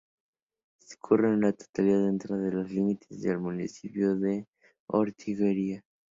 Discurre en su totalidad dentro de los límites del municipio de Ortigueira.